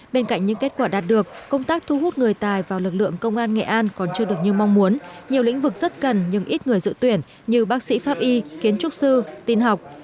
bên cạnh những kết quả đạt được công tác thu hút người tài vào lực lượng công an nghệ an còn chưa được như mong muốn nhiều lĩnh vực rất cần nhưng ít người dự tuyển như bác sĩ pháp y kiến trúc sư tin học